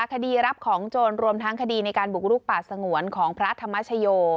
คดีรับของโจรรวมทั้งคดีในการบุกลุกป่าสงวนของพระธรรมชโย